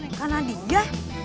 loh karena dia